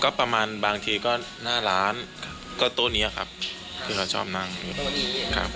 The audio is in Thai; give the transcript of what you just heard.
ก็ประมาณบางทีก็หน้าร้านก็โต๊ะเนี้ยครับที่เขาชอบนั่งอยู่โต๊ะนี้ครับ